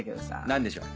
何でしょう？